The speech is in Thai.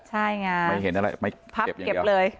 ใช่ไงพับเก็บเลย